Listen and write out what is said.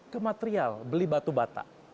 kematerial beli batu bata